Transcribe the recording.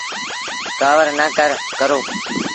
ڪآوڙ نا ڪرو۔